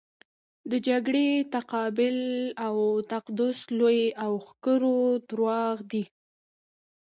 د جګړې تقابل او تقدس لوی او ښکرور درواغ دي.